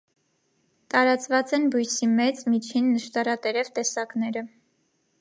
Տարածված են բույսի մեծ, միջին, նշտարատերև տեսակները։